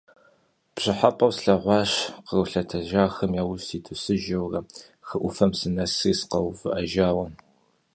Пщӏыхьэпӏэу слъэгъуащ къру лъэтэжхэм яужь ситу сыжэурэ, хы ӏуфэм сынэсри сыкъэувыӏэжауэ.